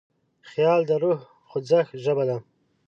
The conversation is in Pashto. خیال د روح د خوځښت ژبه ده.